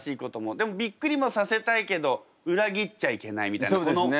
でもびっくりもさせたいけど裏切っちゃいけないみたいなこの。